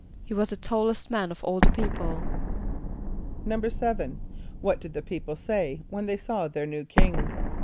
=He was the tallest man of all the people.= =7.= What did the people say when they saw their new king?